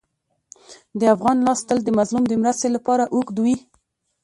د افغان لاس تل د مظلوم د مرستې لپاره اوږد وي.